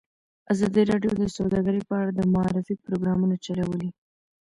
ازادي راډیو د سوداګري په اړه د معارفې پروګرامونه چلولي.